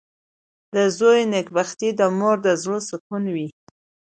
• د زوی نېکبختي د مور د زړۀ سکون وي.